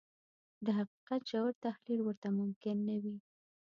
د حقيقت ژور تحليل ورته ممکن نه وي.